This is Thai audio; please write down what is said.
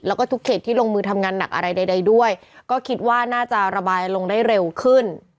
แล้วก็ทุกเขตที่ลงมือทำงานหนักอะไรใดด้วยก็คิดว่าน่าจะระบายลงได้เร็วขึ้น